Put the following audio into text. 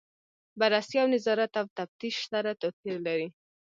بررسي او نظارت او تفتیش سره توپیر لري.